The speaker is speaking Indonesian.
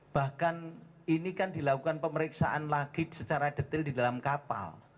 bahkan ini kan dilakukan pemeriksaan lagi secara detail di dalam kapal